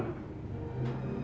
terus kamu gimana